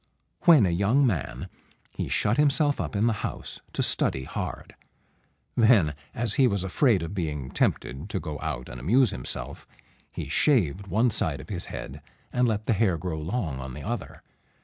When a young man, he shut himself up in the house to study hard. Then, as he was afraid of being tempted to go out and amuse himself, he shaved one side of his head, and let the hair grow long on the other.